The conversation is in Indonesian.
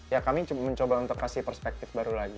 ya kami mencoba untuk kasih perspektif baru lagi